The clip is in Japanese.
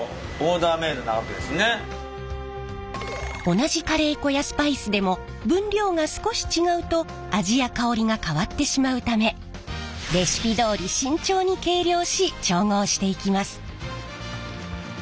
同じカレー粉やスパイスでも分量が少し違うと味や香りが変わってしまうためレシピどおり慎重に計量し調合していきます。